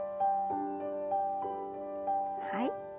はい。